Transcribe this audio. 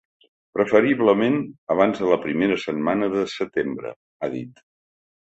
Preferiblement abans de la primera setmana de setembre, ha dit.